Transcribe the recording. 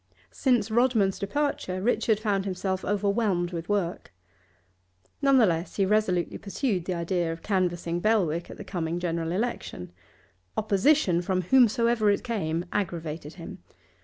Since Rodman's departure Richard found himself overwhelmed with work. None the less he resolutely pursued the idea of canvassing Belwick at the coming general election. Opposition, from whomsoever it came, aggravated him.